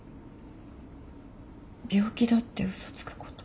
病気だってうそつくこと。